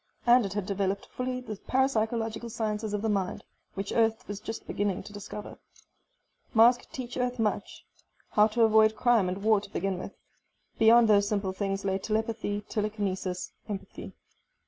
And it had developed fully the parapsychological sciences of the mind, which Earth was just beginning to discover. Mars could teach Earth much. How to avoid crime and war to begin with. Beyond those simple things lay telepathy, telekinesis, empathy....